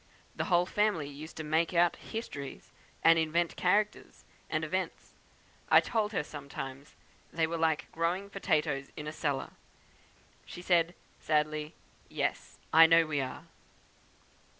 The whole family used to 'make out' histories, and invent characters and events. I told her sometimes they were like growing potatoes in a cellar. She said, sadly, 'Yes! I know we are!'